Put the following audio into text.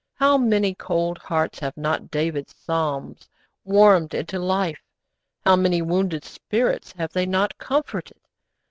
How many cold hearts have not David's psalms warmed into life, how many wounded spirits have they not comforted!